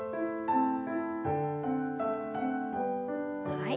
はい。